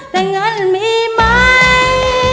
แต่เงินมีไหม